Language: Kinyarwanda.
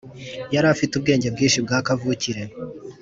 Yari afite ubwenge bwinshi bwa kavukire